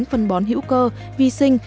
phân bón hữu cơ vi sinh